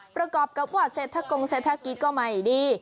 ประกอบกับว่าเศรษฐกงเศรษฐกิจก็ไม่ดี